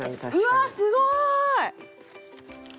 うわっすごーい！